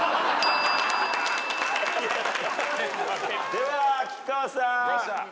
では菊川さん。